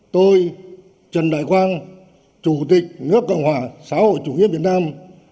tôi trần đại quang chủ tịch nước cộng hòa xã hội chủ nghĩa việt nam